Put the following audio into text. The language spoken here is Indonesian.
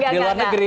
di luar negeri